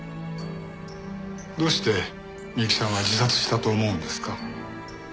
どうして美雪さんは自殺したと思うんですか？